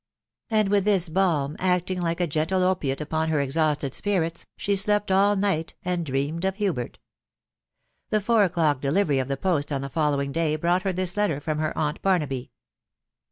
" And with this balm, acting like a gentle opiate upon her exhausted spirits, she slept all night, and dreamed of Hubert. The four o'clock delivery of the post on the following day brought her this letter from her aunt Barnaby.